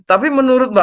tapi menurut mbak